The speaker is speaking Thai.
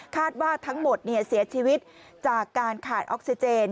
คาดว่าทั้งหมดเสียชีวิตจากการขาดออกซิเจน